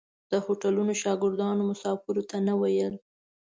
د هوټلو شاګردانو مسافرو ته نه ویل.